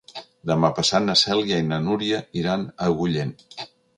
Demà passat na Cèlia i na Núria iran a Agullent.